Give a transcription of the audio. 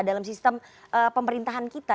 dalam sistem pemerintahan kita